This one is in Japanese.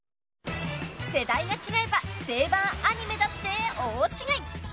世代が違えば定番アニメだって大違い！